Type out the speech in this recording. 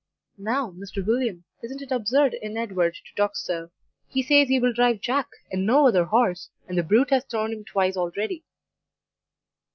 "'Now, Mr. William, isn't it absurd in Edward to talk so? He says he will drive Jack, and no other horse, and the brute has thrown him twice already.